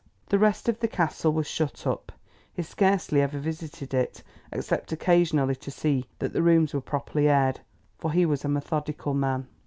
The rest of the Castle was shut up; he scarcely ever visited it except occasionally to see that the rooms were properly aired, for he was a methodical man.